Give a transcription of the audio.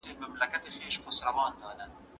د هغې په سترګو کې د تسلۍ هیڅ نښه نه وه.